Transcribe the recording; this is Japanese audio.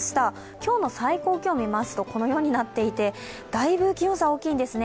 今日の最高気温を見ますと、このようになっていて、だいぶ気温差大きいんですね。